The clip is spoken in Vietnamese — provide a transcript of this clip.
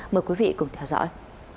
mời quý vị cùng theo dõi